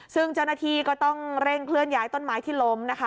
ซึ่งเจ้าหน้าที่ก็ต้องเร่งเคลื่อนย้ายต้นไม้ที่ล้มนะคะ